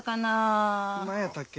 なんやったっけ？